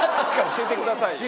教えてくださいよ。